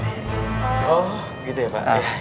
oh gitu ya pak